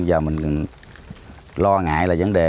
giờ mình lo ngại là vấn đề